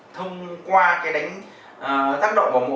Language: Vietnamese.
thông qua cái đánh tác động vào mẫu vật